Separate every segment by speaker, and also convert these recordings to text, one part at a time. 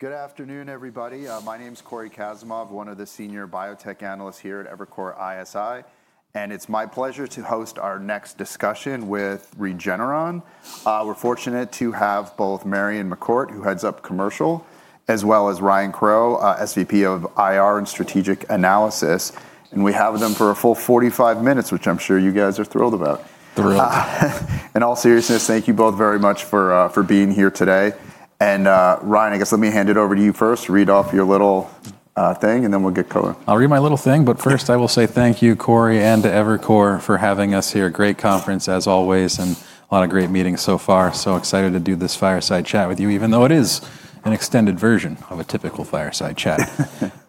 Speaker 1: Good afternoon, everybody. My name is Cory Kasimov, one of the senior biotech analysts here at Evercore ISI, and it's my pleasure to host our next discussion with Regeneron. We're fortunate to have both Marion McCourt, who heads up commercial, as well as Ryan Crowe, SVP of IR and Strategic Analysis. And we have them for a full 45 minutes, which I'm sure you guys are thrilled about. In all seriousness, thank you both very much for being here today. And Ryan, I guess let me hand it over to you first, read off your little thing, and then we'll get going.
Speaker 2: I'll read my little thing, but first I will say thank you, Cory, and to Evercore for having us here. Great conference, as always, and a lot of great meetings so far. So excited to do this fireside chat with you, even though it is an extended version of a typical fireside chat.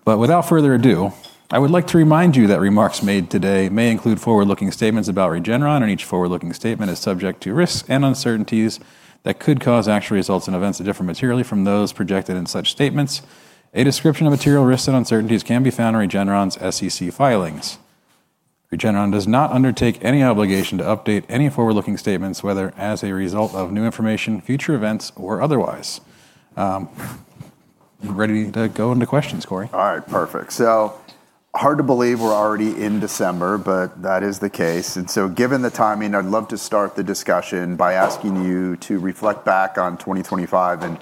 Speaker 2: But without further ado, I would like to remind you that remarks made today may include forward-looking statements about Regeneron, and each forward-looking statement is subject to risks and uncertainties that could cause actual results and events to differ materially from those projected in such statements. A description of material risks and uncertainties can be found in Regeneron's SEC filings. Regeneron does not undertake any obligation to update any forward-looking statements, whether as a result of new information, future events, or otherwise. Ready to go into questions, Cory?
Speaker 1: All right, perfect. So hard to believe we're already in December, but that is the case. And so given the timing, I'd love to start the discussion by asking you to reflect back on 2025 and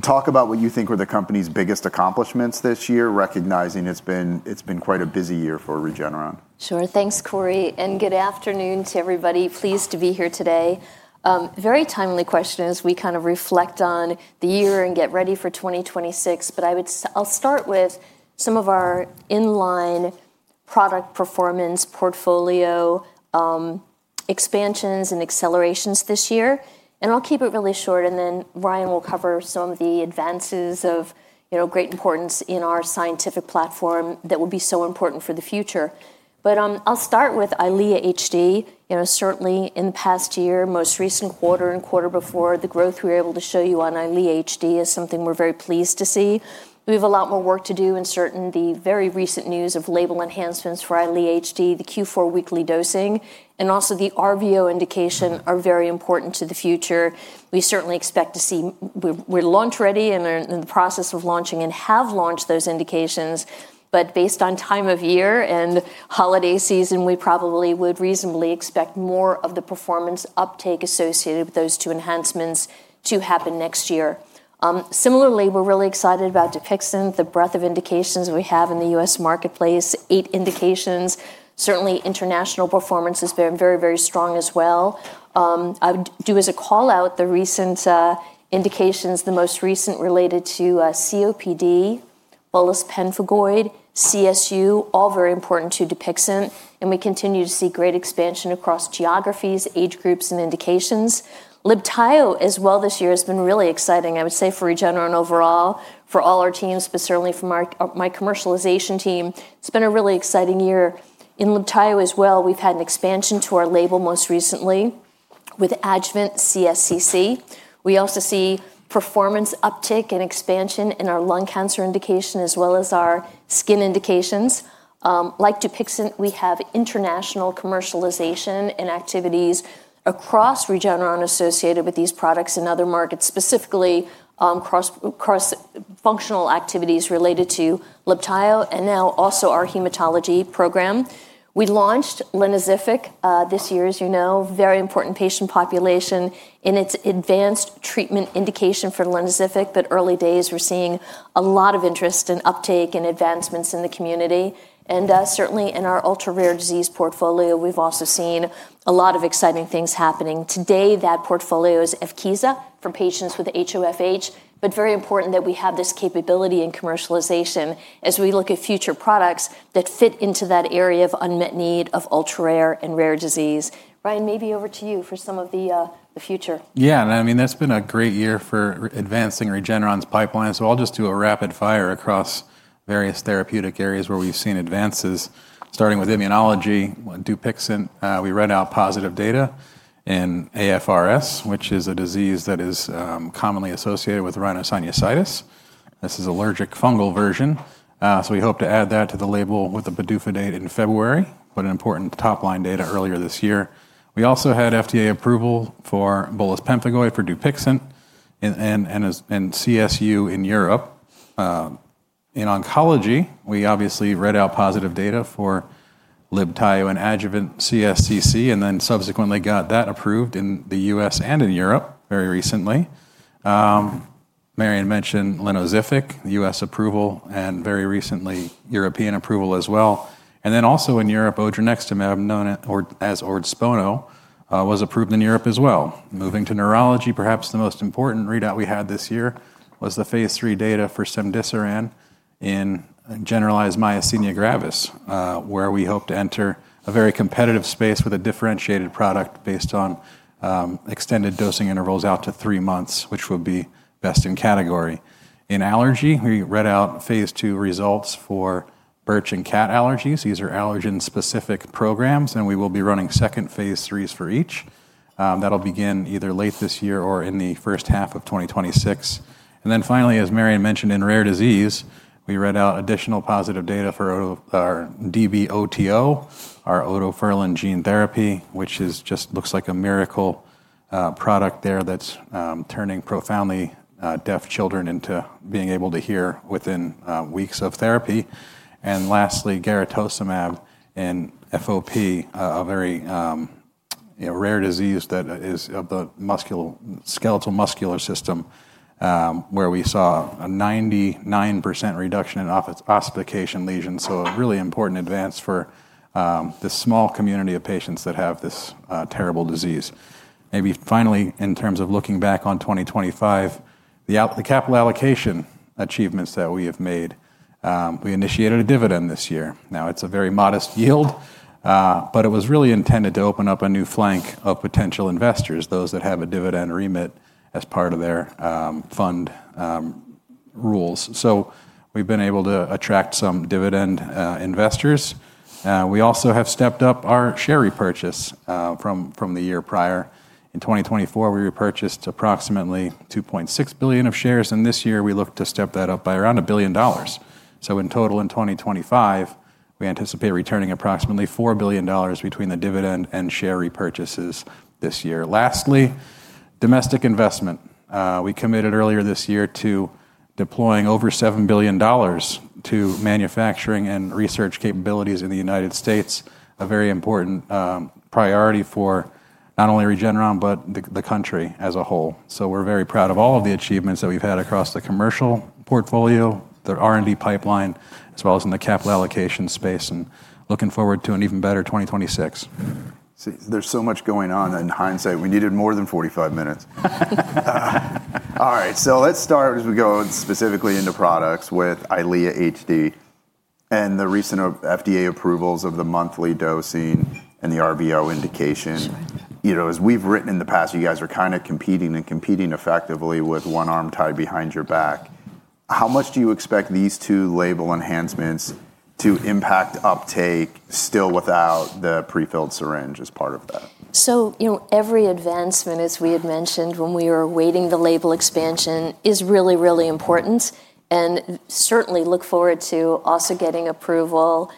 Speaker 1: talk about what you think were the company's biggest accomplishments this year, recognizing it's been quite a busy year for Regeneron.
Speaker 3: Sure, thanks, Cory, and good afternoon to everybody. Pleased to be here today. Very timely question as we kind of reflect on the year and get ready for 2026, but I'll start with some of our inline product performance portfolio expansions and accelerations this year, and I'll keep it really short, and then Ryan will cover some of the advances of great importance in our scientific platform that will be so important for the future, but I'll start with Eylea HD. Certainly, in the past year, most recent quarter and quarter before, the growth we were able to show you on Eylea HD is something we're very pleased to see. We have a lot more work to do, and certainly the very recent news of label enhancements for Eylea HD, the Q4 weekly dosing, and also the RVO indication are very important to the future. We certainly expect to see we're launch ready and in the process of launching and have launched those indications. But based on time of year and holiday season, we probably would reasonably expect more of the performance uptake associated with those two enhancements to happen next year. Similarly, we're really excited about Dupixent, the breadth of indications we have in the U.S. marketplace, eight indications. Certainly, international performance has been very, very strong as well. I do, as a callout, the recent indications, the most recent related to COPD, bullous pemphigoid, CSU, all very important to Dupixent. And we continue to see great expansion across geographies, age groups, and indications. Libtayo as well this year has been really exciting, I would say, for Regeneron overall, for all our teams, but certainly for my commercialization team. It's been a really exciting year. In Libtayo as well, we've had an expansion to our label most recently with adjuvant CSCC. We also see performance uptake and expansion in our lung cancer indication as well as our skin indications. Like Dupixent, we have international commercialization and activities across Regeneron associated with these products and other markets, specifically across functional activities related to Libtayo and now also our hematology program. We launched Linvoseltamab this year, as you know, very important patient population in its advanced treatment indication for Linvoseltamab, but early days, we're seeing a lot of interest and uptake and advancements in the community. And certainly, in our ultra-rare disease portfolio, we've also seen a lot of exciting things happening. Today, that portfolio is Evkeeza for patients with HoFH, but very important that we have this capability and commercialization as we look at future products that fit into that area of unmet need of ultra-rare and rare disease. Ryan, maybe over to you for some of the future.
Speaker 2: Yeah, and I mean, that's been a great year for advancing Regeneron's pipeline. So I'll just do a rapid fire across various therapeutic areas where we've seen advances, starting with immunology. Dupixent, we read out positive data in AFRS, which is a disease that is commonly associated with rhinosinusitis. This is allergic fungal rhinosinusitis. So we hope to add that to the label with the PDUFA in February, but important top-line data earlier this year. We also had FDA approval for bullous pemphigoid for Dupixent and CSU in Europe. In oncology, we obviously read out positive data for Libtayo and adjuvant CSCC, and then subsequently got that approved in the US and in Europe very recently. Marion mentioned Linvoseltamab, US approval, and very recently European approval as well. And then also in Europe, Odronextimab known as Ordspono was approved in Europe as well. Moving to neurology, perhaps the most important readout we had this year was the phase 3 data for Cemdisiran in generalized myasthenia gravis, where we hope to enter a very competitive space with a differentiated product based on extended dosing intervals out to three months, which would be best in category. In allergy, we read out phase 2 results for birch and cat allergies. These are allergen-specific programs, and we will be running second phase 3s for each. That'll begin either late this year or in the first half of 2026. And then finally, as Marion mentioned in rare disease, we read out additional positive data for our DB-OTO, our otoferlin gene therapy, which just looks like a miracle product there that's turning profoundly deaf children into being able to hear within weeks of therapy. Lastly, garetosmab in FOP, a very rare disease that is of the skeletal muscular system, where we saw a 99% reduction in ossification lesions, so a really important advance for this small community of patients that have this terrible disease. Maybe finally, in terms of looking back on 2025, the capital allocation achievements that we have made, we initiated a dividend this year. Now, it's a very modest yield, but it was really intended to open up a new flank of potential investors, those that have a dividend remit as part of their fund rules. We've been able to attract some dividend investors. We also have stepped up our share repurchase from the year prior. In 2024, we repurchased approximately $2.6 billion of shares, and this year we look to step that up by around $1 billion. So in total in 2025, we anticipate returning approximately $4 billion between the dividend and share repurchases this year. Lastly, domestic investment. We committed earlier this year to deploying over $7 billion to manufacturing and research capabilities in the United States, a very important priority for not only Regeneron, but the country as a whole. So we're very proud of all of the achievements that we've had across the commercial portfolio, the R&D pipeline, as well as in the capital allocation space, and looking forward to an even better 2026.
Speaker 3: There's so much going on in hindsight. We needed more than 45 minutes.
Speaker 1: All right, so let's start as we go specifically into products with EYLEA HD and the recent FDA approvals of the monthly dosing and the RVO indication. As we've written in the past, you guys are kind of competing and competing effectively with one arm tied behind your back. How much do you expect these two label enhancements to impact uptake still without the prefilled syringe as part of that?
Speaker 3: So every advancement, as we had mentioned when we were awaiting the label expansion, is really, really important. And certainly look forward to also getting approval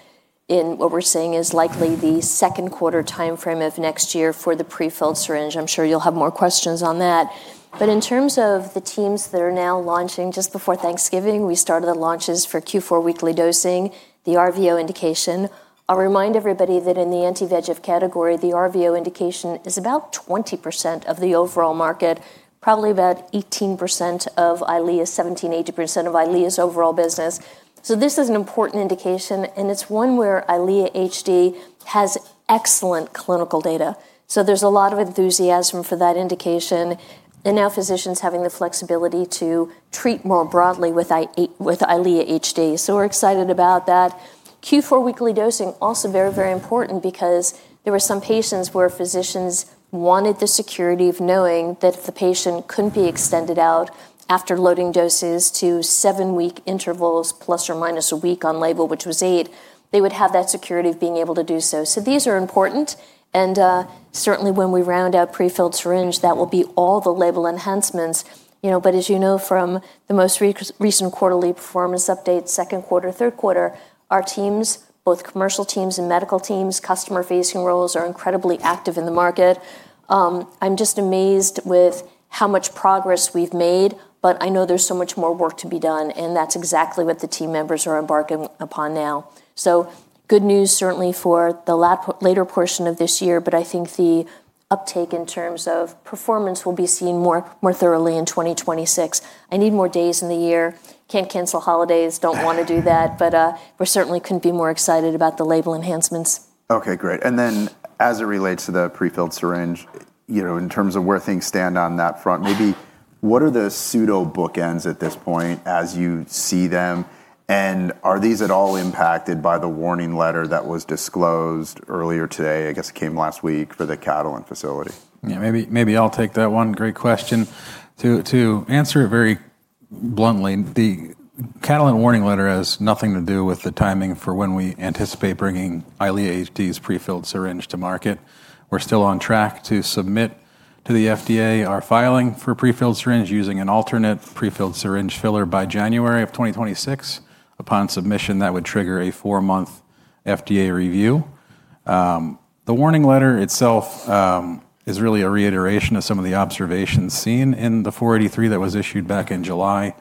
Speaker 3: in what we're seeing is likely the second quarter timeframe of next year for the prefilled syringe. I'm sure you'll have more questions on that. But in terms of the teams that are now launching, just before Thanksgiving, we started the launches for Q4 weekly dosing, the RVO indication. I'll remind everybody that in the anti-VEGF category, the RVO indication is about 20% of the overall market, probably about 18% of EYLEA's, 17-18% of EYLEA's overall business. So this is an important indication, and it's one where EYLEA HD has excellent clinical data. So there's a lot of enthusiasm for that indication. And now physicians having the flexibility to treat more broadly with EYLEA HD. So we're excited about that. Q4 weekly dosing also very, very important because there were some patients where physicians wanted the security of knowing that if the patient couldn't be extended out after loading doses to seven-week intervals, plus or minus a week on label, which was eight, they would have that security of being able to do so. So these are important. And certainly when we round out prefilled syringe, that will be all the label enhancements. But as you know from the most recent quarterly performance update, second quarter, third quarter, our teams, both commercial teams and medical teams, customer-facing roles are incredibly active in the market. I'm just amazed with how much progress we've made, but I know there's so much more work to be done, and that's exactly what the team members are embarking upon now. So good news certainly for the later portion of this year, but I think the uptake in terms of performance will be seen more thoroughly in 2026. I need more days in the year. Can't cancel holidays, don't want to do that, but we certainly couldn't be more excited about the label enhancements.
Speaker 1: Okay, great. And then as it relates to the prefilled syringe, in terms of where things stand on that front, maybe what are the pseudo bookends at this point as you see them, and are these at all impacted by the warning letter that was disclosed earlier today? I guess it came last week for the Catalent facility.
Speaker 2: Yeah, maybe I'll take that one. Great question. To answer it very bluntly, the Catalent warning letter has nothing to do with the timing for when we anticipate bringing Eylea HD's prefilled syringe to market. We're still on track to submit to the FDA our filing for prefilled syringe using an alternate prefilled syringe filler by January of 2026. Upon submission, that would trigger a four-month FDA review. The warning letter itself is really a reiteration of some of the observations seen in the 483 that was issued back in July.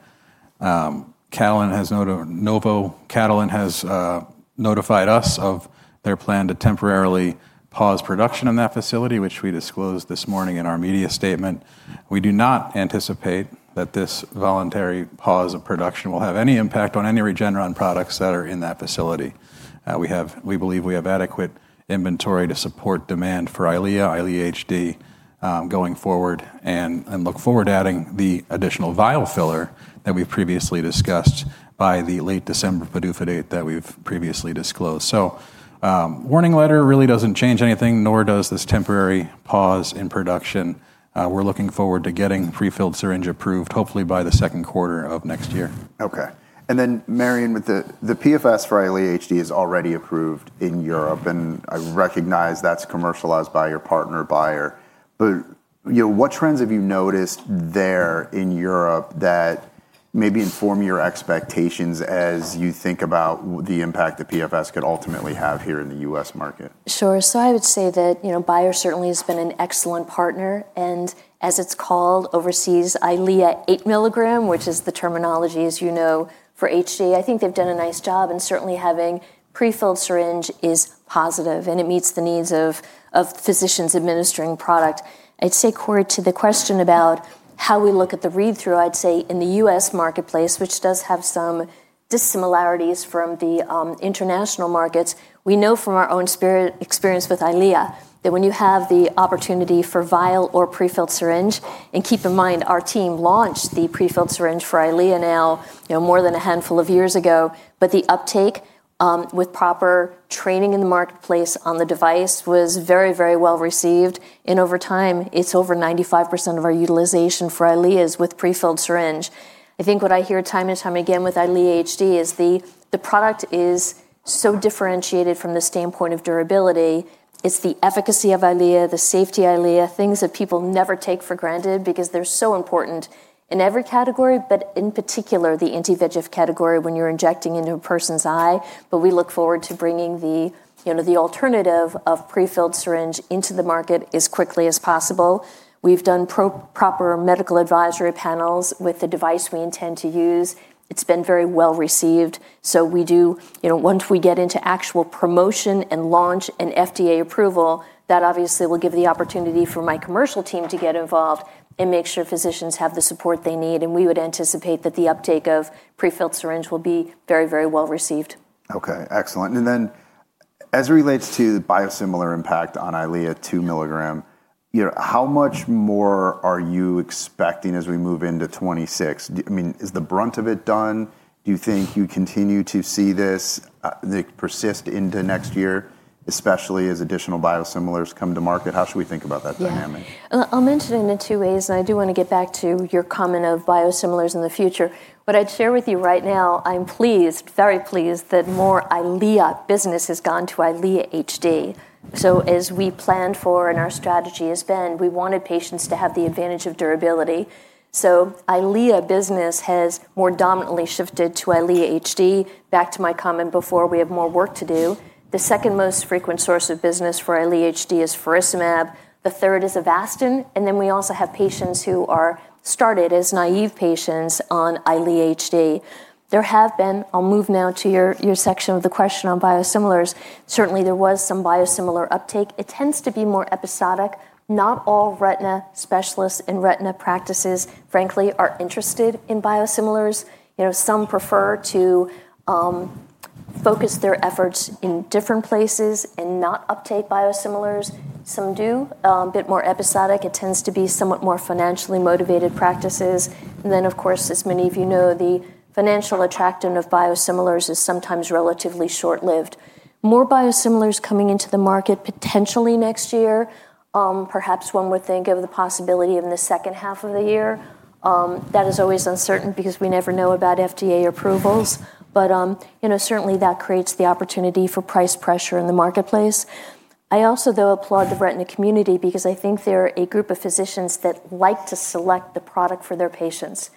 Speaker 2: Catalent has notified us of their plan to temporarily pause production in that facility, which we disclosed this morning in our media statement. We do not anticipate that this voluntary pause of production will have any impact on any Regeneron products that are in that facility. We believe we have adequate inventory to support demand for Eylea, Eylea HD going forward, and look forward to adding the additional vial filler that we've previously discussed by the late December build-out that we've previously disclosed. So warning letter really doesn't change anything, nor does this temporary pause in production. We're looking forward to getting prefilled syringe approved, hopefully by the second quarter of next year.
Speaker 1: Okay. And then Marion, the PFS for Eylea HD is already approved in Europe, and I recognize that's commercialized by your partner Bayer. But what trends have you noticed there in Europe that maybe inform your expectations as you think about the impact the PFS could ultimately have here in the U.S. market?
Speaker 3: Sure. So I would say that Bayer certainly has been an excellent partner. And as it's called overseas, EYLEA 8 milligram, which is the terminology, as you know, for HD, I think they've done a nice job. And certainly having prefilled syringe is positive, and it meets the needs of physicians administering product. I'd say, Cory, to the question about how we look at the read-through, I'd say in the U.S. marketplace, which does have some dissimilarities from the international markets, we know from our own experience with EYLEA that when you have the opportunity for vial or prefilled syringe, and keep in mind our team launched the prefilled syringe for EYLEA now more than a handful of years ago, but the uptake with proper training in the marketplace on the device was very, very well received. Over time, it's over 95% of our utilization for Eylea is with prefilled syringe. I think what I hear time and time again with Eylea HD is the product is so differentiated from the standpoint of durability. It's the efficacy of Eylea, the safety of Eylea, things that people never take for granted because they're so important in every category, but in particular the anti-VEGF category when you're injecting into a person's eye. But we look forward to bringing the alternative of prefilled syringe into the market as quickly as possible. We've done proper medical advisory panels with the device we intend to use. It's been very well received. So we do, once we get into actual promotion and launch and FDA approval, that obviously will give the opportunity for my commercial team to get involved and make sure physicians have the support they need. We would anticipate that the uptake of prefilled syringe will be very, very well received.
Speaker 1: Okay, excellent. And then as it relates to the biosimilar impact on Eylea two milligram, how much more are you expecting as we move into 2026? I mean, is the brunt of it done? Do you think you continue to see this persist into next year, especially as additional biosimilars come to market? How should we think about that dynamic?
Speaker 3: Yeah, I'll mention it in two ways, and I do want to get back to your comment of biosimilars in the future. But I'd share with you right now, I'm pleased, very pleased that more Eylea business has gone to Eylea HD. So as we planned for and our strategy has been, we wanted patients to have the advantage of durability. So Eylea business has more dominantly shifted to Eylea HD, back to my comment before, we have more work to do. The second most frequent source of business for Eylea HD is Faricimab. The third is Avastin. And then we also have patients who are started as naive patients on Eylea HD. There have been, I'll move now to your section of the question on biosimilars. Certainly, there was some biosimilar uptake. It tends to be more episodic. Not all retina specialists and retina practices, frankly, are interested in biosimilars. Some prefer to focus their efforts in different places and not uptake biosimilars. Some do, a bit more episodic. It tends to be somewhat more financially motivated practices. And then, of course, as many of you know, the financial attraction of biosimilars is sometimes relatively short-lived. More biosimilars coming into the market potentially next year, perhaps one would think of the possibility in the second half of the year. That is always uncertain because we never know about FDA approvals. But certainly that creates the opportunity for price pressure in the marketplace. I also, though, applaud the retina community because I think there are a group of physicians that like to select the product for their patients.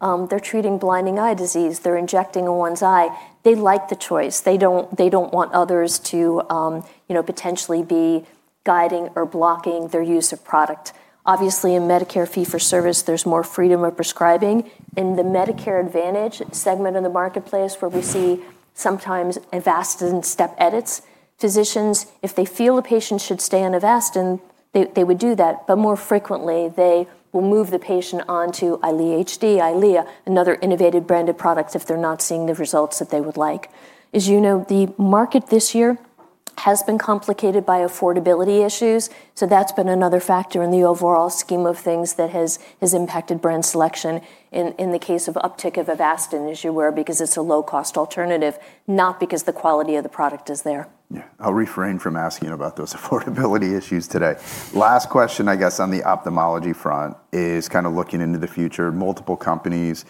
Speaker 3: They're treating blinding eye disease. They're injecting in one's eye. They like the choice. They don't want others to potentially be guiding or blocking their use of product. Obviously, in Medicare fee-for-service, there's more freedom of prescribing. In the Medicare advantage segment of the marketplace where we see sometimes Avastin step edits, physicians, if they feel a patient should stay on Avastin, they would do that. But more frequently, they will move the patient on to Eylea HD, Eylea, another innovative branded product if they're not seeing the results that they would like. As you know, the market this year has been complicated by affordability issues. So that's been another factor in the overall scheme of things that has impacted brand selection in the case of uptake of Avastin, as you were, because it's a low-cost alternative, not because the quality of the product is there.
Speaker 1: Yeah, I'll refrain from asking about those affordability issues today. Last question, I guess, on the ophthalmology front is kind of looking into the future. Multiple companies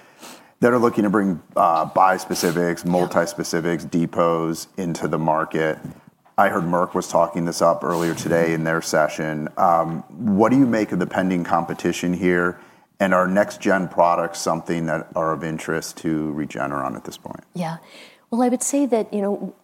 Speaker 1: that are looking to bring bispecifics, multispecifics, depots into the market. I heard Merck was talking this up earlier today in their session. What do you make of the pending competition here? And are next-gen products something that are of interest to Regeneron at this point?
Speaker 3: Yeah. Well, I would say that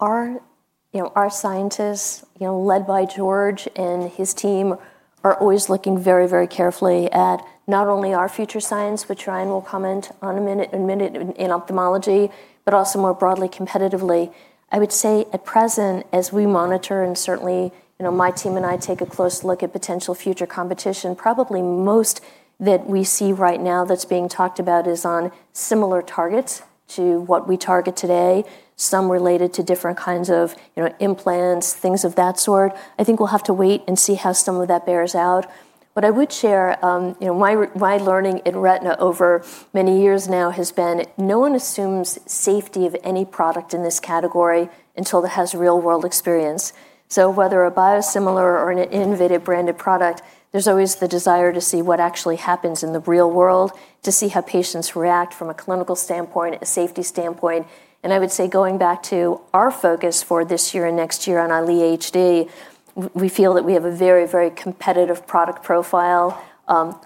Speaker 3: our scientists, led by George and his team, are always looking very, very carefully at not only our future science, which Ryan will comment on in a minute in ophthalmology, but also more broadly competitively. I would say at present, as we monitor, and certainly my team and I take a close look at potential future competition, probably most that we see right now that's being talked about is on similar targets to what we target today, some related to different kinds of implants, things of that sort. I think we'll have to wait and see how some of that bears out. But I would share my learning in retina over many years now has been no one assumes safety of any product in this category until it has real-world experience. So whether a biosimilar or an innovative branded product, there's always the desire to see what actually happens in the real world, to see how patients react from a clinical standpoint, a safety standpoint, and I would say going back to our focus for this year and next year on EYLEA HD, we feel that we have a very, very competitive product profile.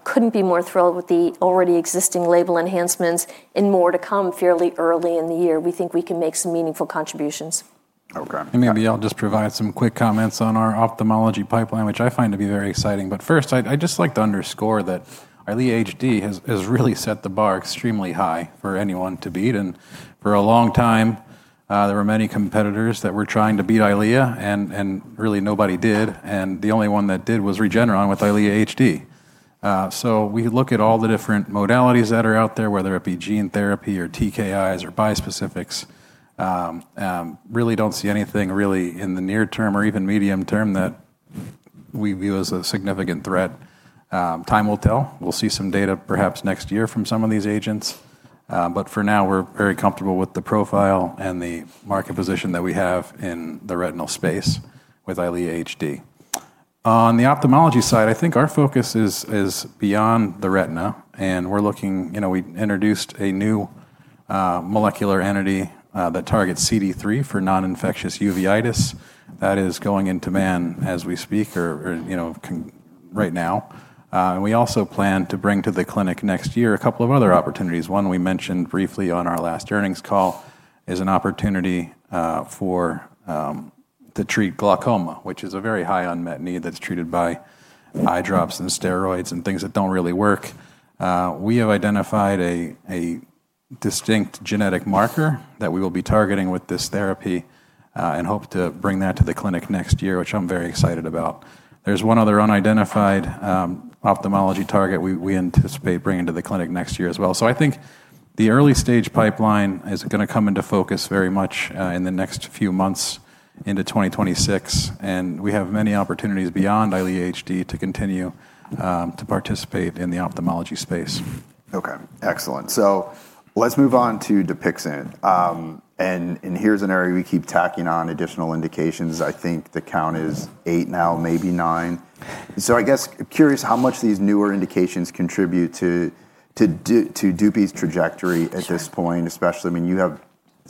Speaker 3: Couldn't be more thrilled with the already existing label enhancements and more to come fairly early in the year. We think we can make some meaningful contributions.
Speaker 1: Okay.
Speaker 2: And maybe I'll just provide some quick comments on our ophthalmology pipeline, which I find to be very exciting. But first, I'd just like to underscore that EYLEA HD has really set the bar extremely high for anyone to beat. And for a long time, there were many competitors that were trying to beat EYLEA, and really nobody did. And the only one that did was Regeneron with EYLEA HD. So we look at all the different modalities that are out there, whether it be gene therapy or TKIs or bispecifics. Really don't see anything really in the near term or even medium term that we view as a significant threat. Time will tell. We'll see some data perhaps next year from some of these agents. But for now, we're very comfortable with the profile and the market position that we have in the retinal space with EYLEA HD. On the ophthalmology side, I think our focus is beyond the retina, and we're looking. We introduced a new molecular entity that targets CD3 for non-infectious uveitis that is going into man as we speak or right now, and we also plan to bring to the clinic next year a couple of other opportunities. One we mentioned briefly on our last earnings call is an opportunity to treat glaucoma, which is a very high unmet need that's treated by eye drops and steroids and things that don't really work. We have identified a distinct genetic marker that we will be targeting with this therapy and hope to bring that to the clinic next year, which I'm very excited about. There's one other unidentified ophthalmology target we anticipate bringing to the clinic next year as well. So I think the early stage pipeline is going to come into focus very much in the next few months into 2026. And we have many opportunities beyond EYLEA HD to continue to participate in the ophthalmology space.
Speaker 1: Okay, excellent. So let's move on to Dupixent. And here's an area we keep tacking on additional indications. I think the count is eight now, maybe nine. So I guess curious how much these newer indications contribute to Dupi's trajectory at this point, especially when you have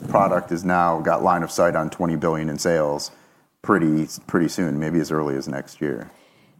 Speaker 1: product has now got line of sight on $20 billion in sales pretty soon, maybe as early as next year.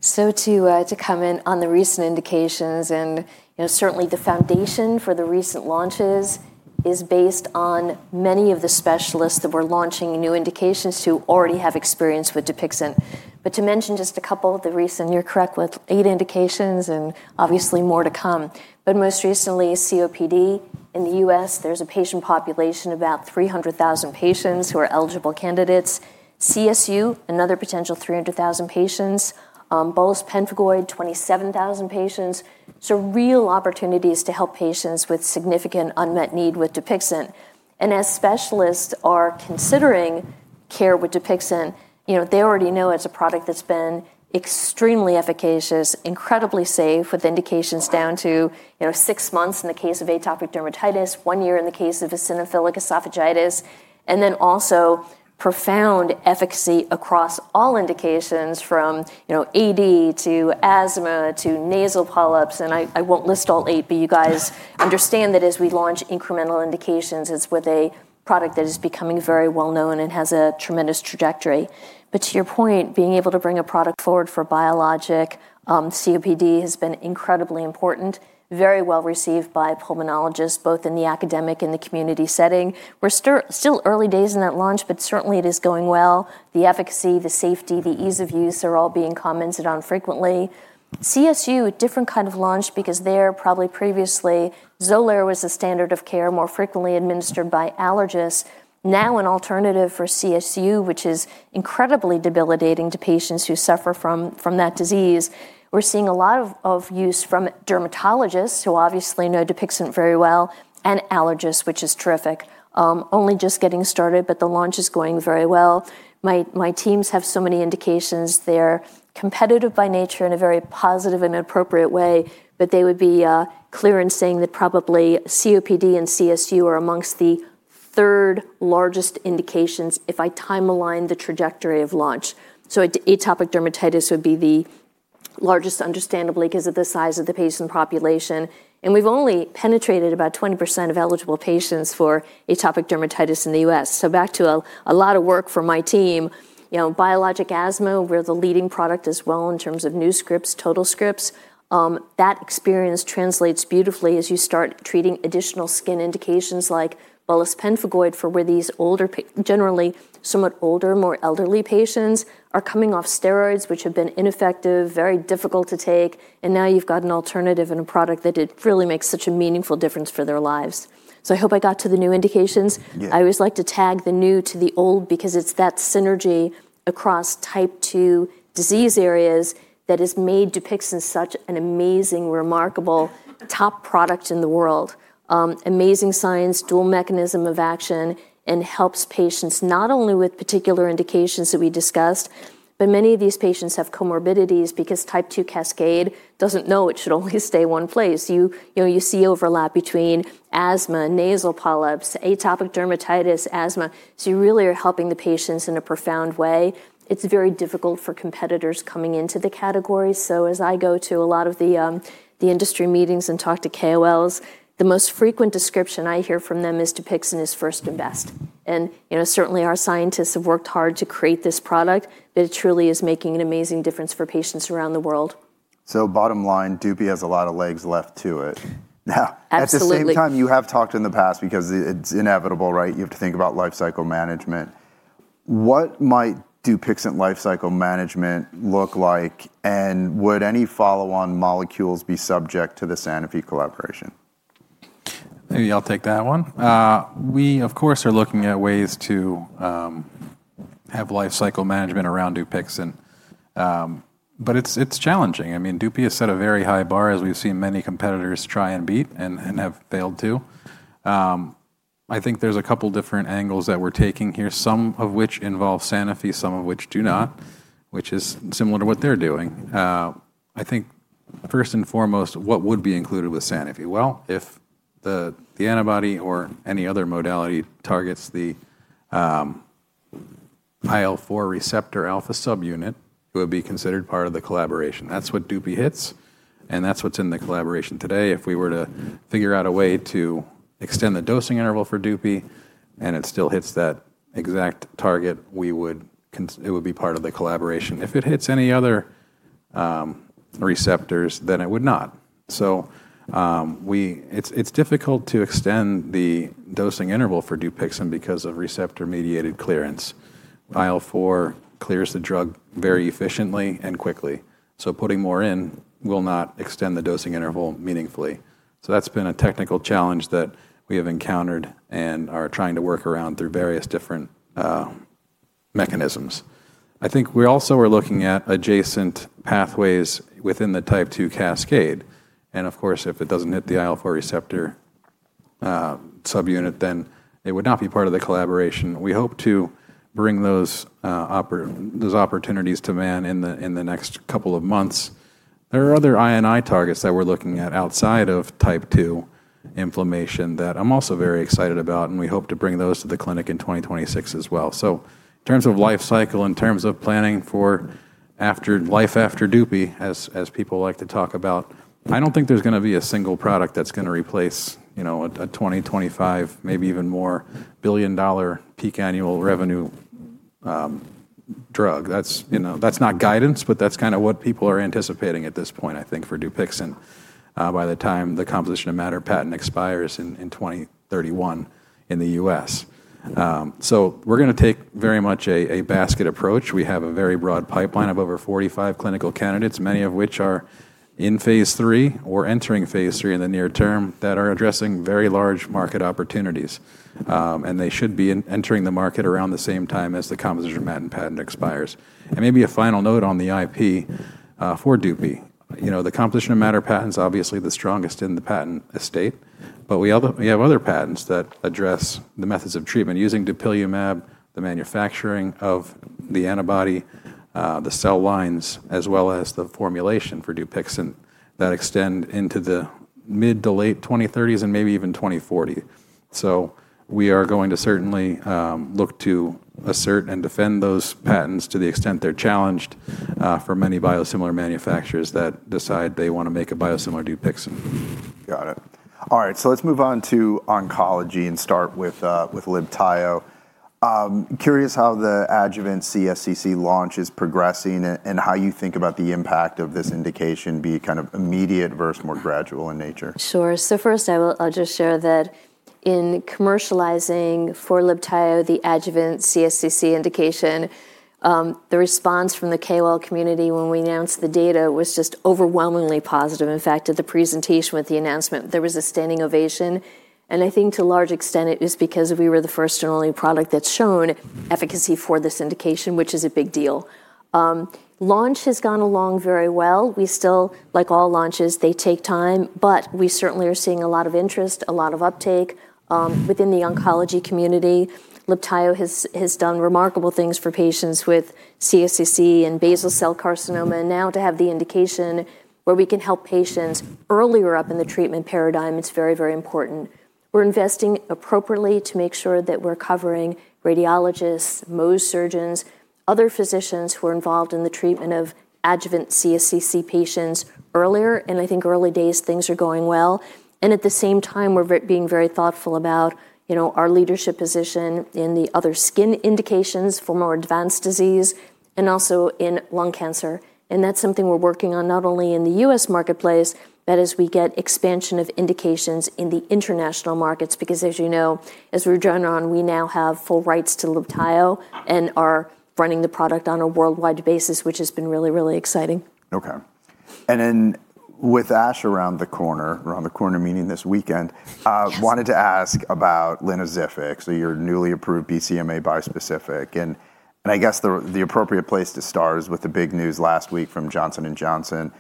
Speaker 3: So, to comment on the recent indications, and certainly the foundation for the recent launches is based on many of the specialists that we're launching new indications to already have experience with DUPIXENT. But to mention just a couple of the recent, you're correct with eight indications, and obviously more to come. But most recently, COPD in the U.S., there's a patient population, about 300,000 patients who are eligible candidates. CSU, another potential 300,000 patients. Bullous pemphigoid, 27,000 patients. So real opportunities to help patients with significant unmet need with DUPIXENT. And as specialists are considering care with DUPIXENT, they already know it's a product that's been extremely efficacious, incredibly safe with indications down to six months in the case of atopic dermatitis, one year in the case of eosinophilic esophagitis, and then also profound efficacy across all indications from AD to asthma to nasal polyps. I won't list all eight, but you guys understand that as we launch incremental indications, it's with a product that is becoming very well known and has a tremendous trajectory. But to your point, being able to bring a product forward for biologic, COPD has been incredibly important, very well received by pulmonologists, both in the academic and the community setting. We're still early days in that launch, but certainly it is going well. The efficacy, the safety, the ease of use are all being commented on frequently. CSU, different kind of launch because there probably previously Xolair was a standard of care more frequently administered by allergists. Now an alternative for CSU, which is incredibly debilitating to patients who suffer from that disease. We're seeing a lot of use from dermatologists who obviously know DUPIXENT very well and allergists, which is terrific. Only just getting started, but the launch is going very well. My teams have so many indications. They're competitive by nature in a very positive and appropriate way, but they would be clear in saying that probably COPD and CSU are amongst the third largest indications if I time-align the trajectory of launch. So atopic dermatitis would be the largest, understandably, because of the size of the patient population, and we've only penetrated about 20% of eligible patients for atopic dermatitis in the US, so back to a lot of work for my team. Biologic asthma, we're the leading product as well in terms of new scripts, total scripts. That experience translates beautifully as you start treating additional skin indications like bullous pemphigoid for where these older, generally somewhat older, more elderly patients are coming off steroids, which have been ineffective, very difficult to take. And now you've got an alternative and a product that really makes such a meaningful difference for their lives. So I hope I got to the new indications. I always like to tag the new to the old because it's that synergy across type two disease areas that has made Dupixent such an amazing, remarkable top product in the world. Amazing science, dual mechanism of action, and helps patients not only with particular indications that we discussed, but many of these patients have comorbidities because type two cascade doesn't know it should always stay one place. You see overlap between asthma, nasal polyps, atopic dermatitis, asthma. So you really are helping the patients in a profound way. It's very difficult for competitors coming into the category. So, as I go to a lot of the industry meetings and talk to KOLs, the most frequent description I hear from them is DUPIXENT is first and best. And certainly our scientists have worked hard to create this product, but it truly is making an amazing difference for patients around the world.
Speaker 1: So bottom line, DUPI has a lot of legs left to it. Now, at the same time, you have talked in the past because it's inevitable, right? You have to think about lifecycle management. What might DUPIXENT lifecycle management look like? And would any follow-on molecules be subject to the Sanofi collaboration?
Speaker 2: Maybe I'll take that one. We, of course, are looking at ways to have lifecycle management around DUPIXENT. But it's challenging. I mean, DUPI has set a very high bar as we've seen many competitors try and beat and have failed to. I think there's a couple of different angles that we're taking here, some of which involve Sanofi, some of which do not, which is similar to what they're doing. I think first and foremost, what would be included with Sanofi? Well, if the antibody or any other modality targets the IL-4 receptor alpha subunit, it would be considered part of the collaboration. That's what DUPI hits, and that's what's in the collaboration today. If we were to figure out a way to extend the dosing interval for DUPI and it still hits that exact target, it would be part of the collaboration. If it hits any other receptors, then it would not. So it's difficult to extend the dosing interval for DUPIXENT because of receptor-mediated clearance. IL-4 clears the drug very efficiently and quickly. So putting more in will not extend the dosing interval meaningfully. So that's been a technical challenge that we have encountered and are trying to work around through various different mechanisms. I think we also are looking at adjacent pathways within the type 2 cascade. And of course, if it doesn't hit the IL-4 receptor subunit, then it would not be part of the collaboration. We hope to bring those opportunities to man in the next couple of months. There are other INI targets that we're looking at outside of type 2 inflammation that I'm also very excited about, and we hope to bring those to the clinic in 2026 as well. In terms of lifecycle, in terms of planning for life after Dupixent, as people like to talk about, I don't think there's going to be a single product that's going to replace a ten, maybe even more billion-dollar peak annual revenue drug. That's not guidance, but that's kind of what people are anticipating at this point, I think, for Dupixent by the time the composition of matter patent expires in 2031 in the U.S. We're going to take very much a basket approach. We have a very broad pipeline of over 45 clinical candidates, many of which are in phase three or entering phase three in the near term that are addressing very large market opportunities. They should be entering the market around the same time as the composition of matter patent expires. Maybe a final note on the IP for Dupixent. The composition of matter patent is obviously the strongest in the patent estate, but we have other patents that address the methods of treatment using dupilumab, the manufacturing of the antibody, the cell lines, as well as the formulation for DUPIXENT that extend into the mid to late 2030s and maybe even 2040. So we are going to certainly look to assert and defend those patents to the extent they're challenged for many biosimilar manufacturers that decide they want to make a biosimilar DUPIXENT.
Speaker 1: Got it. All right. So let's move on to oncology and start with Libtayo. Curious how the adjuvant CSCC launch is progressing and how you think about the impact of this indication being kind of immediate versus more gradual in nature.
Speaker 3: Sure. So first, I'll just share that in commercializing for Libtayo, the adjuvant CSCC indication, the response from the KOL community when we announced the data was just overwhelmingly positive. In fact, at the presentation with the announcement, there was a standing ovation. And I think to a large extent, it was because we were the first and only product that's shown efficacy for this indication, which is a big deal. Launch has gone along very well. We still, like all launches, they take time, but we certainly are seeing a lot of interest, a lot of uptake within the oncology community. Libtayo has done remarkable things for patients with CSCC and basal cell carcinoma. And now to have the indication where we can help patients earlier up in the treatment paradigm, it's very, very important. We're investing appropriately to make sure that we're covering radiologists, Mohs surgeons, other physicians who are involved in the treatment of adjuvant CSCC patients earlier. And I think early days, things are going well. And at the same time, we're being very thoughtful about our leadership position in the other skin indications for more advanced disease and also in lung cancer. And that's something we're working on not only in the U.S. marketplace, but as we get expansion of indications in the international markets. Because as you know, as we're drawing on, we now have full rights to Libtayo and are running the product on a worldwide basis, which has been really, really exciting.
Speaker 1: Okay. And then with Ash around the corner, meaning this weekend, wanted to ask about Linvoseltamab, so your newly approved BCMA bispecific. And I guess the appropriate place to start is with the big news last week from Johnson & Johnson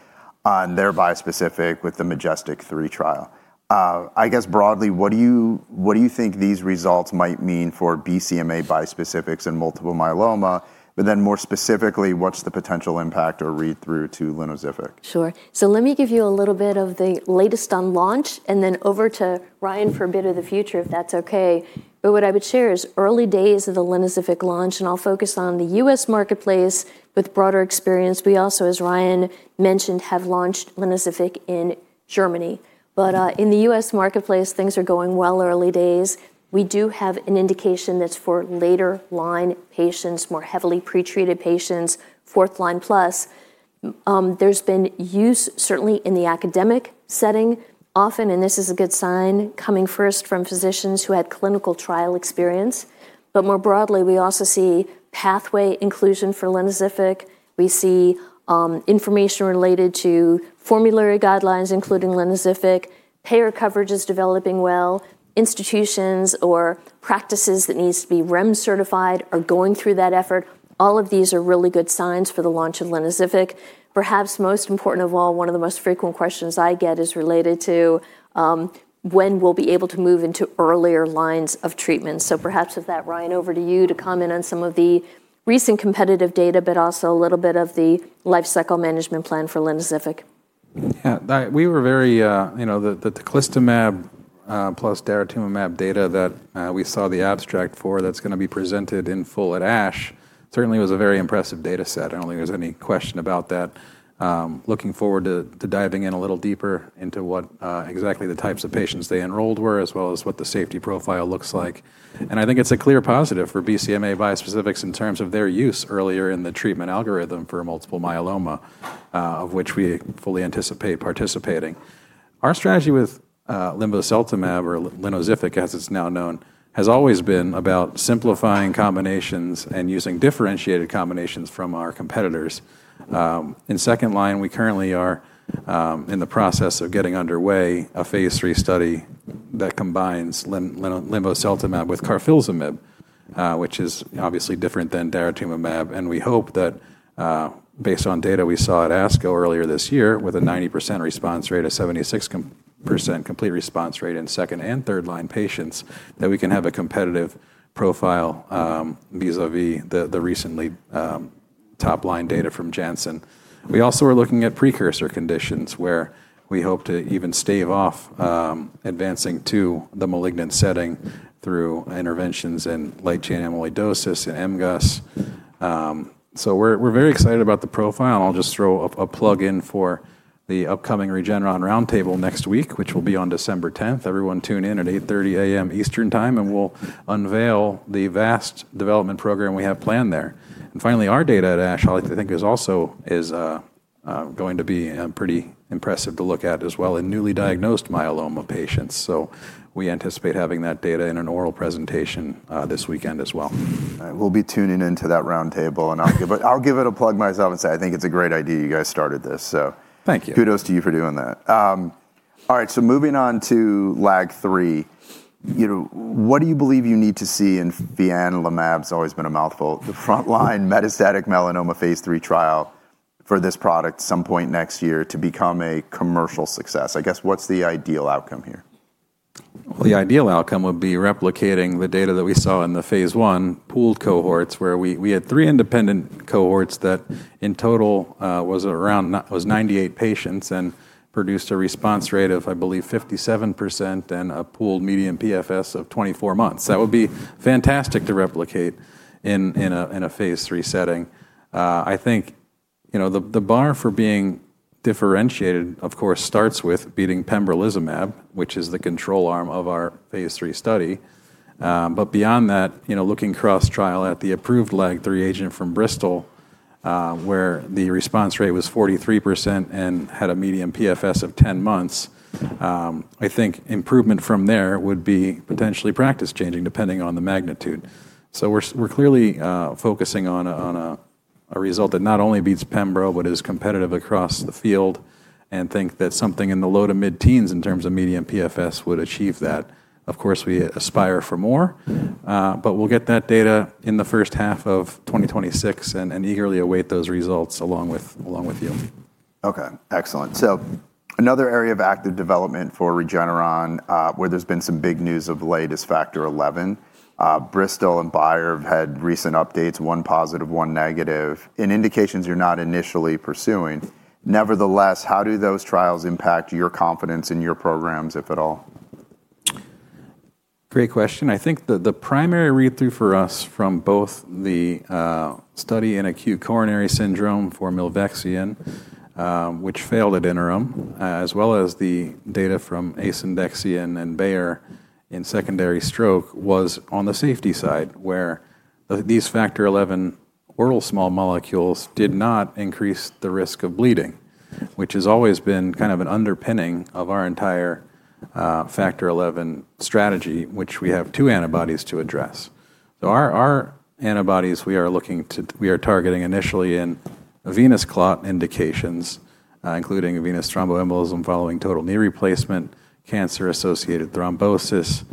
Speaker 1: on their bispecific with the Majestic III trial. I guess broadly, what do you think these results might mean for BCMA bispecifics and multiple myeloma? But then more specifically, what's the potential impact or read-through to Linvoseltamab?
Speaker 3: Sure. So let me give you a little bit of the latest on launch and then over to Ryan for a bit of the future, if that's okay. But what I would share is early days of the Linvoseltamab launch, and I'll focus on the U.S. marketplace with broader experience. We also, as Ryan mentioned, have launched Linvoseltamab in Germany. But in the U.S. marketplace, things are going well early days. We do have an indication that's for later line patients, more heavily pretreated patients, fourth line plus. There's been use certainly in the academic setting often, and this is a good sign coming first from physicians who had clinical trial experience. But more broadly, we also see pathway inclusion for Linvoseltamab. We see information related to formulary guidelines, including Linvoseltamab. Payer coverage is developing well. Institutions or practices that need to be REMS certified are going through that effort. All of these are really good signs for the launch of Lynozyfic. Perhaps most important of all, one of the most frequent questions I get is related to when we'll be able to move into earlier lines of treatment. So perhaps with that, Ryan, over to you to comment on some of the recent competitive data, but also a little bit of the lifecycle management plan for Lynozyfic.
Speaker 2: Yeah, we were very, the tocilizumab plus Daratumumab data that we saw the abstract for that's going to be presented in full at ASH certainly was a very impressive data set. I don't think there's any question about that. Looking forward to diving in a little deeper into what exactly the types of patients they enrolled were, as well as what the safety profile looks like. And I think it's a clear positive for BCMA bispecifics in terms of their use earlier in the treatment algorithm for multiple myeloma, of which we fully anticipate participating. Our strategy with Linvoseltamab or Lynozyfic, as it's now known, has always been about simplifying combinations and using differentiated combinations from our competitors. In second line, we currently are in the process of getting underway a phase three study that combines Linvoseltamab with Carfilzomib, which is obviously different than Daratumumab. We hope that based on data we saw at ASCO earlier this year with a 90% response rate and 76% complete response rate in second- and third-line patients, that we can have a competitive profile vis-à-vis the recently top-line data from Janssen. We also are looking at precursor conditions where we hope to even stave off advancing to the malignant setting through interventions in light chain amyloidosis and MGUS. We're very excited about the profile. I'll just throw a plug in for the upcoming Regeneron Roundtable next week, which will be on December 10th. Everyone tune in at 8:30 A.M. Eastern time, and we'll unveil the vast development program we have planned there. Finally, our data at ASH, I think, is also going to be pretty impressive to look at as well in newly diagnosed myeloma patients. So we anticipate having that data in an oral presentation this weekend as well.
Speaker 1: All right. We'll be tuning into that roundtable, and I'll give it a plug myself and say, I think it's a great idea you guys started this.
Speaker 2: Thank you.
Speaker 1: Kudos to you for doing that. All right. So moving on to LAG-3. What do you believe you need to see in fianlimab? It's always been a mouthful. The frontline metastatic melanoma phase 3 trial for this product some point next year to become a commercial success. I guess what's the ideal outcome here?
Speaker 2: The ideal outcome would be replicating the data that we saw in the phase 1 pooled cohorts where we had three independent cohorts that in total was around 98 patients and produced a response rate of, I believe, 57% and a pooled median PFS of 24 months. That would be fantastic to replicate in a phase 3 setting. I think the bar for being differentiated, of course, starts with beating pembrolizumab, which is the control arm of our phase 3 study. But beyond that, looking cross-trial at the approved LAG-3 agent from Bristol, where the response rate was 43% and had a median PFS of 10 months, I think improvement from there would be potentially practice changing depending on the magnitude. So we're clearly focusing on a result that not only beats Pembro, but is competitive across the field, and think that something in the low to mid-teens in terms of median PFS would achieve that. Of course, we aspire for more, but we'll get that data in the first half of 2026 and eagerly await those results along with you.
Speaker 1: Okay. Excellent. So another area of active development for Regeneron where there's been some big news of late on Factor XI. Bristol and Bayer have had recent updates, one positive, one negative, in indications you're not initially pursuing. Nevertheless, how do those trials impact your confidence in your programs, if at all?
Speaker 2: Great question. I think the primary read-through for us from both the study in acute coronary syndrome for Milvexian, which failed at interim, as well as the data from Asundexian and Bayer in secondary stroke was on the safety side where these Factor XI oral small molecules did not increase the risk of bleeding, which has always been kind of an underpinning of our entire Factor XI strategy, which we have two antibodies to address. So our antibodies we are targeting initially in venous clot indications, including venous thromboembolism following total knee replacement, cancer-associated thrombosis,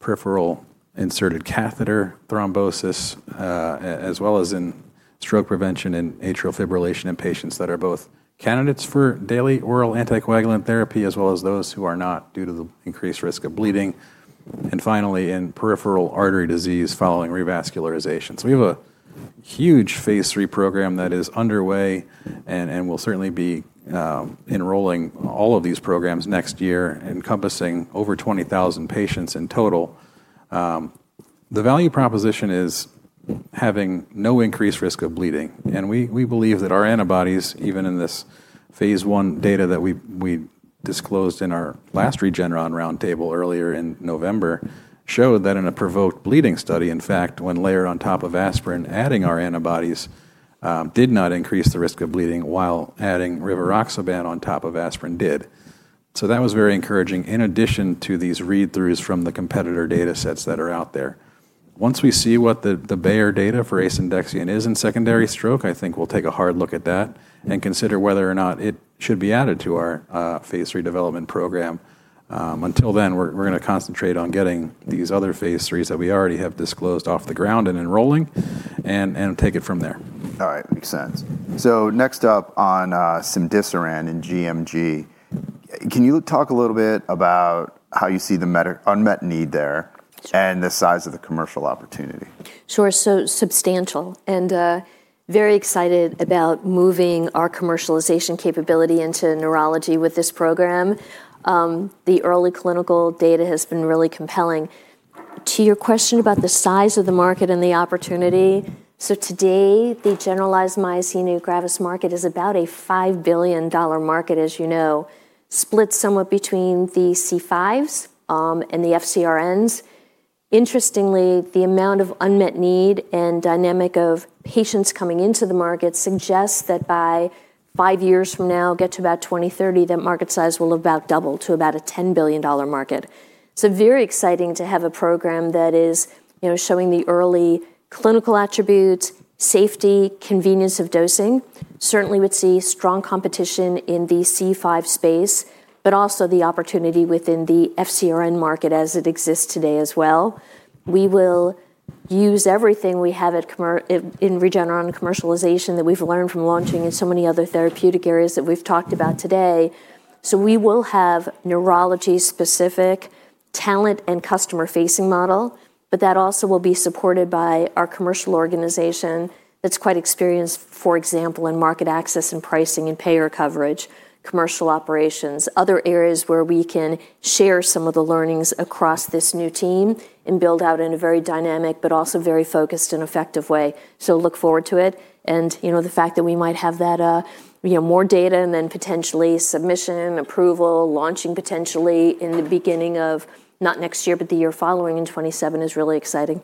Speaker 2: peripheral inserted catheter thrombosis, as well as in stroke prevention in atrial fibrillation in patients that are both candidates for daily oral anticoagulant therapy as well as those who are not due to the increased risk of bleeding. And finally, in peripheral artery disease following revascularization. So we have a huge phase three program that is underway and will certainly be enrolling all of these programs next year, encompassing over 20,000 patients in total. The value proposition is having no increased risk of bleeding. And we believe that our antibodies, even in this phase one data that we disclosed in our last Regeneron roundtable earlier in November, showed that in a provoked bleeding study, in fact, when layered on top of aspirin, adding our antibodies did not increase the risk of bleeding while adding rivaroxaban on top of aspirin did. So that was very encouraging in addition to these read-throughs from the competitor data sets that are out there. Once we see what the Bayer data for Asundexian is in secondary stroke, I think we'll take a hard look at that and consider whether or not it should be added to our phase three development program. Until then, we're going to concentrate on getting these other phase 3s that we already have disclosed off the ground and enrolling and take it from there.
Speaker 1: All right. Makes sense. So next up on Cemdisiran and GMG, can you talk a little bit about how you see the unmet need there and the size of the commercial opportunity?
Speaker 3: Sure. So substantial and very excited about moving our commercialization capability into neurology with this program. The early clinical data has been really compelling. To your question about the size of the market and the opportunity, so today, the generalized myasthenia gravis market is about a $5 billion market, as you know, split somewhat between the C5s and the FCRNs. Interestingly, the amount of unmet need and dynamic of patients coming into the market suggests that by five years from now, get to about 2030, that market size will have about doubled to about a $10 billion market. It's very exciting to have a program that is showing the early clinical attributes, safety, convenience of dosing. Certainly, we'd see strong competition in the C5 space, but also the opportunity within the FCRN market as it exists today as well. We will use everything we have in Regeneron commercialization that we've learned from launching in so many other therapeutic areas that we've talked about today. So we will have neurology-specific talent and customer-facing model, but that also will be supported by our commercial organization that's quite experienced, for example, in market access and pricing and payer coverage, commercial operations, other areas where we can share some of the learnings across this new team and build out in a very dynamic, but also very focused and effective way. So look forward to it. And the fact that we might have that more data and then potentially submission, approval, launching potentially in the beginning of not next year, but the year following in 2027 is really exciting.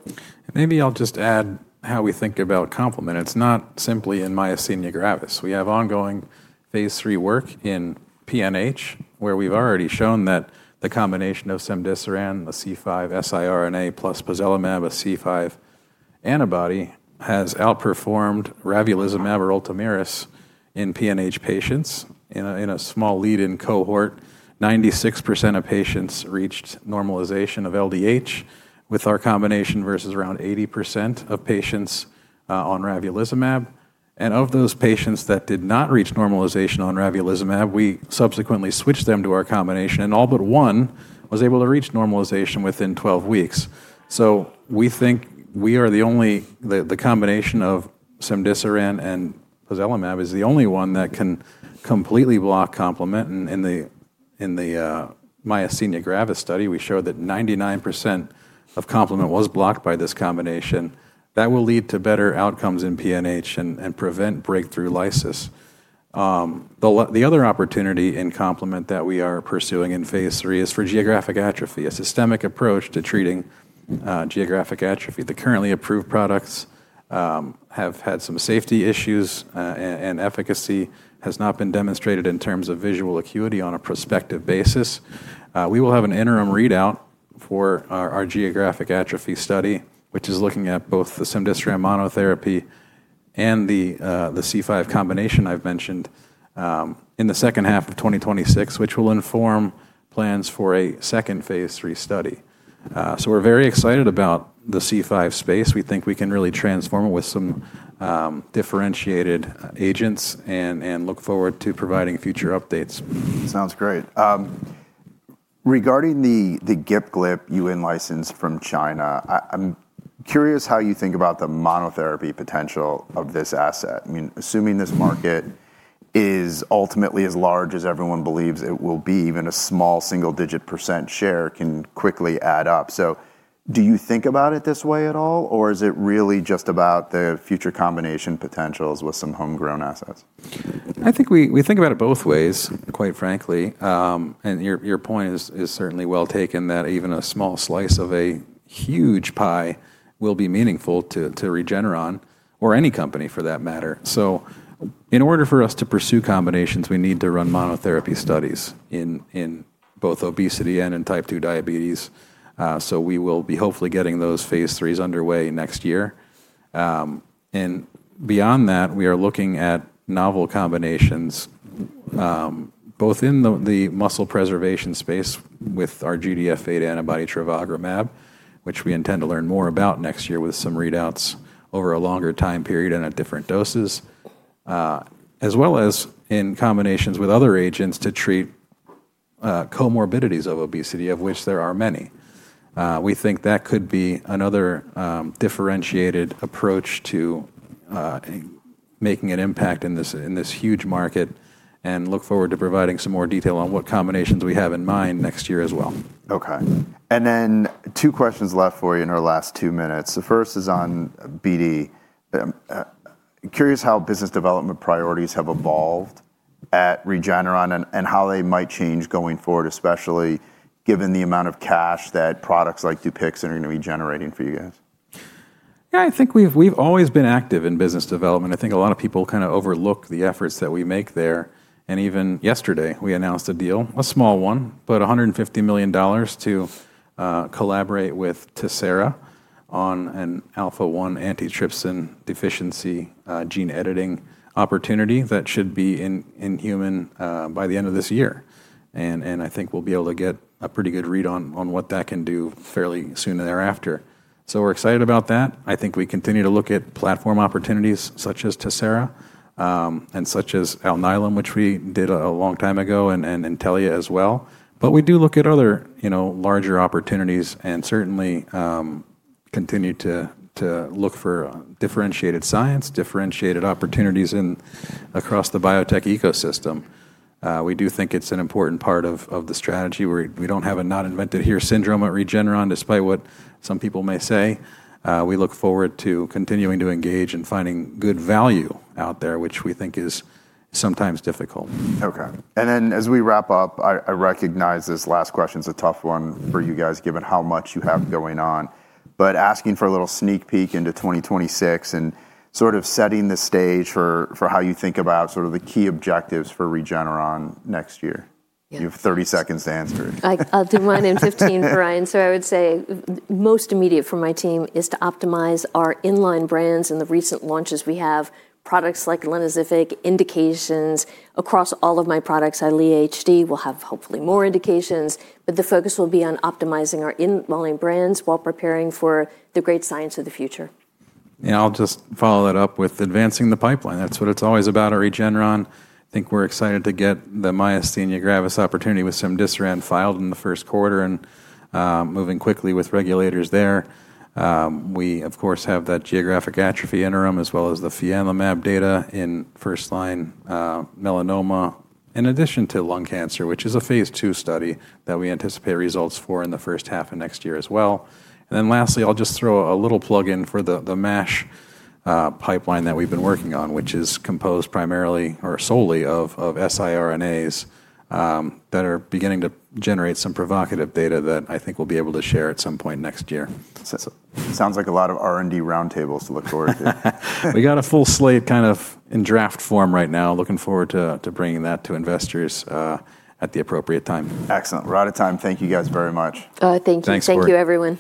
Speaker 2: Maybe I'll just add how we think about complement. It's not simply in myasthenia gravis. We have ongoing phase 3 work in PNH, where we've already shown that the combination of cemdisiran, the C5 siRNA plus pozelimab, a C5 antibody, has outperformed ravulizumab or Ultomiris in PNH patients in a small lead-in cohort. 96% of patients reached normalization of LDH with our combination versus around 80% of patients on ravulizumab. And of those patients that did not reach normalization on ravulizumab, we subsequently switched them to our combination, and all but one was able to reach normalization within 12 weeks. So we think we are the only combination of cemdisiran and pozelimab is the only one that can completely block complement. In the myasthenia gravis study, we showed that 99% of complement was blocked by this combination. That will lead to better outcomes in PNH and prevent breakthrough lysis. The other opportunity in complement that we are pursuing in phase 3 is for geographic atrophy, a systemic approach to treating geographic atrophy. The currently approved products have had some safety issues, and efficacy has not been demonstrated in terms of visual acuity on a prospective basis. We will have an interim readout for our geographic atrophy study, which is looking at both the cemdisiran monotherapy and the C5 combination I've mentioned in the second half of 2026, which will inform plans for a second phase 3 study. So we're very excited about the C5 space. We think we can really transform it with some differentiated agents and look forward to providing future updates.
Speaker 1: Sounds great. Regarding the GIP GLP-1 license from China, I'm curious how you think about the monotherapy potential of this asset. Assuming this market is ultimately as large as everyone believes it will be, even a small single-digit % share can quickly add up. So do you think about it this way at all, or is it really just about the future combination potentials with some homegrown assets?
Speaker 2: I think we think about it both ways, quite frankly, and your point is certainly well taken that even a small slice of a huge pie will be meaningful to Regeneron or any company for that matter. So in order for us to pursue combinations, we need to run monotherapy studies in both obesity and in type 2 diabetes, so we will be hopefully getting those phase 3s underway next year. And beyond that, we are looking at novel combinations both in the muscle preservation space with our GDF-8 antibody trevogrumab, which we intend to learn more about next year with some readouts over a longer time period and at different doses, as well as in combinations with other agents to treat comorbidities of obesity, of which there are many. We think that could be another differentiated approach to making an impact in this huge market and look forward to providing some more detail on what combinations we have in mind next year as well.
Speaker 1: Okay. And then two questions left for you in our last two minutes. The first is on BD. Curious how business development priorities have evolved at Regeneron and how they might change going forward, especially given the amount of cash that products like Dupixent are going to be generating for you guys.
Speaker 2: Yeah, I think we've always been active in business development. I think a lot of people kind of overlook the efforts that we make there, and even yesterday, we announced a deal, a small one, but $150 million to collaborate with Tessera on an alpha-1 antitrypsin deficiency gene editing opportunity that should be in human by the end of this year, and I think we'll be able to get a pretty good read on what that can do fairly soon thereafter. So we're excited about that. I think we continue to look at platform opportunities such as Tessera and such as Alnylam, which we did a long time ago, and Intellia as well, but we do look at other larger opportunities and certainly continue to look for differentiated science, differentiated opportunities across the biotech ecosystem. We do think it's an important part of the strategy. We don't have a not invented here syndrome at Regeneron, despite what some people may say. We look forward to continuing to engage and finding good value out there, which we think is sometimes difficult.
Speaker 1: Okay. And then as we wrap up, I recognize this last question is a tough one for you guys given how much you have going on, but asking for a little sneak peek into 2026 and sort of setting the stage for how you think about sort of the key objectives for Regeneron next year. You have 30 seconds to answer.
Speaker 3: I'll do mine and 15 for Ryan. So I would say most immediate for my team is to optimize our inline brands and the recent launches we have, products like Linvoseltamab, indications across all of my products. Eylea HD will have hopefully more indications, but the focus will be on optimizing our inline brands while preparing for the great science of the future.
Speaker 2: And I'll just follow that up with advancing the pipeline. That's what it's always about at Regeneron. I think we're excited to get the myasthenia gravis opportunity with cemdisiran filed in the first quarter and moving quickly with regulators there. We, of course, have that geographic atrophy interim as well as the fianlimab data in first-line melanoma, in addition to lung cancer, which is a phase 2 study that we anticipate results for in the first half of next year as well. And then lastly, I'll just throw a little plug in for the MASH pipeline that we've been working on, which is composed primarily or solely of siRNAs that are beginning to generate some provocative data that I think we'll be able to share at some point next year.
Speaker 1: Sounds like a lot of R&D roundtables to look forward to.
Speaker 2: We got a full slate kind of in draft form right now, looking forward to bringing that to investors at the appropriate time.
Speaker 1: Excellent. We're out of time. Thank you guys very much.
Speaker 2: Thanks Cory
Speaker 3: Thank you everyone.